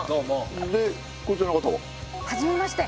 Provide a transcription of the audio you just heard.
でこちらの方は？はじめまして。